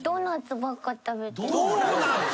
ドーナツ！？